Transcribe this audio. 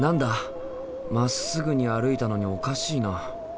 まっすぐに歩いたのにおかしいな。